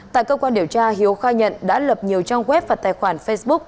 tại cơ quan điều tra hiếu khai nhận đã lập nhiều trang web và tài khoản facebook